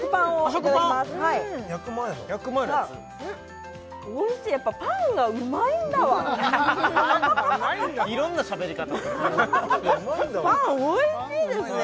焼く前の焼く前のやつおいしいやっぱパンがうまいんだわ色んなしゃべり方するねパンおいしいですね